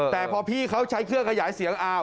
แต่พอพี่เขาใช้เครื่องขยายเสียงอ้าว